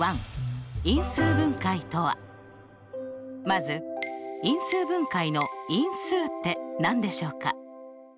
まず因数分解の「因数」って何でしょうか？